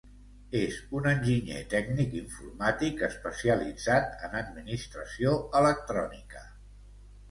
És un enginyer tècnic informàtic especialitzat en administració electrònica.